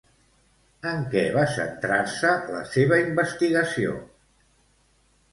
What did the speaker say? En què va centrar-se la seva investigació?